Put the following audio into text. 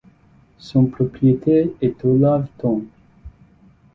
Son propriétaire est Olav Thon.